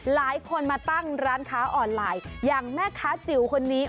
หลายคนมาตั้งร้านค้าออนไลน์อย่างแม่ค้าจิ๋วคนนี้